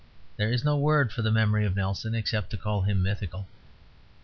There is no word for the memory of Nelson except to call him mythical.